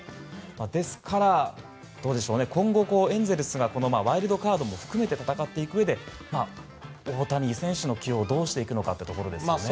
ですから、今後エンゼルスがワイルドカードも含めて戦っていくうえで大谷選手の起用をどうしていくのかというところですよね。